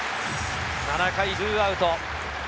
７回２アウト。